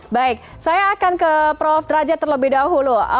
baik saya akan ke prof derajat terlebih dahulu